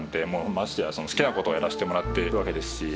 ましてや好きな事をやらせてもらってるわけですし。